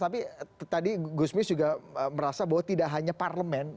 tapi tadi gusmis juga merasa bahwa tidak hanya parlemen